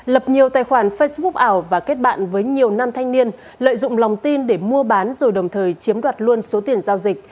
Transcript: lập nhiều tài khoản facebook ảo và kết bạn với nhiều nam thanh niên lợi dụng lòng tin để mua bán rồi đồng thời chiếm đoạt luôn số tiền giao dịch